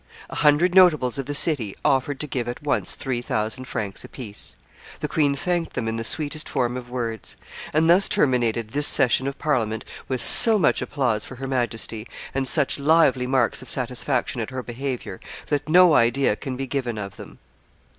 A hundred notables of the city offered to give at once three thousand francs apiece. The queen thanked them in the sweetest form of words; and thus terminated this session of Parliament with so much applause for her Majesty and such lively marks of satisfaction at her behavior that no idea can be given of them.